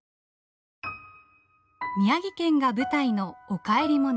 宮城県が舞台の「おかえりモネ」。